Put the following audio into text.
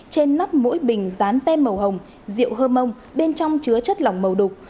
trên nắp mỗi bình dán tem màu hồng rượu hơ mông bên trong chứa chất lỏng màu đục